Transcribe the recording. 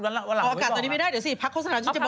ออกอากาศตอนนี้ไม่ได้เดี๋ยวสิพักโฆษณาฉันจะบอก